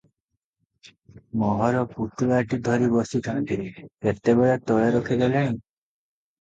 ମୋହର ପୁଟୁଳାଟି ଧରି ବସିଥାନ୍ତି, କେତେବେଳେ ତଳେ ରଖି ଦେଲେଣି ।